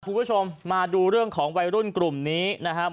คุณผู้ชมมาดูเรื่องของวัยรุ่นกลุ่มนี้นะครับ